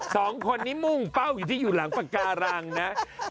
สองคนนี้มุ่งเป้าอยู่ที่อยู่หลังปากการังนะ